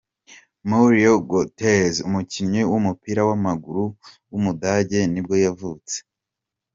Mario Götze, umukinnyi w’umupira w’amaguru w’umudage nibwo yavutse.